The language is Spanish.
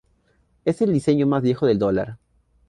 Es el diseño más viejo del dólar.